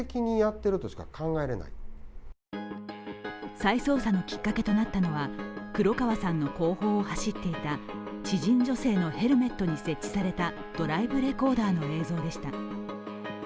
再捜査のきっかけとなったのは黒川さんの後方を走っていた知人女性のヘルメットに設置されたドライブレコーダーの映像でした。